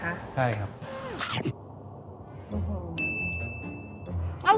ใช่ครับ